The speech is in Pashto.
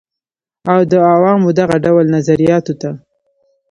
او د عوامو دغه ډول نظریاتو ته